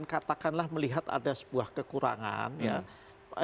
apakah kita kemudian katakanlah melihat ada sebuah kekurangan ya